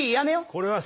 これはさ